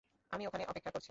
আমি ওখানে অপেক্ষা করছি।